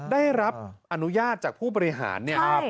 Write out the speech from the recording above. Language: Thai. ได้รับอนุญาตจากผู้บริหาร